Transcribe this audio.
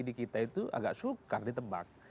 di sidi kita itu agak sulit ditebak